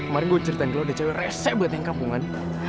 mari gue ceritain kalau ada cewek rese buat yang kampungan